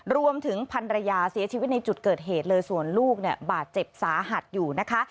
รวมถึงพันรยาเสียชีวิตในจุดเกิดเหตุเลยส่วนลูกเนี่ยบาดเจ็บสาหัสอยู่นะคะ